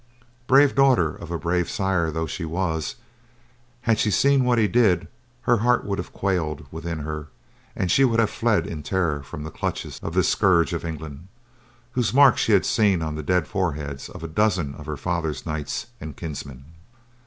Brave daughter of a brave sire though she was, had she seen what he did, her heart would have quailed within her and she would have fled in terror from the clutches of this scourge of England, whose mark she had seen on the dead foreheads of a dozen of her father's knights and kinsmen.